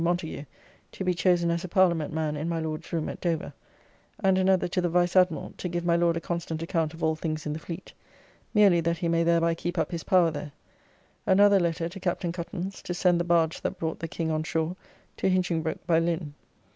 Montagu to be chosen as a Parliament man in my Lord's room at Dover;' and another to the Vice Admiral to give my Lord a constant account of all things in the fleet, merely that he may thereby keep up his power there; another letter to Captn. Cuttance to send the barge that brought the King on shore, to Hinchingbroke by Lynne.